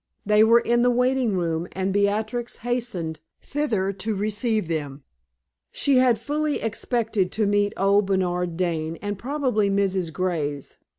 They were in the waiting room, and Beatrix hastened thither to receive them. She had fully expected to meet old Bernard Dane, and probably Mrs. Graves.